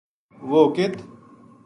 وہ ک